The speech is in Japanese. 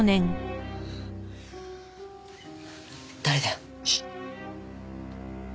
誰だよ？